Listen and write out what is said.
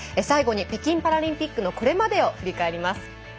最後に北京パラリンピックのこれまでを振り返ります。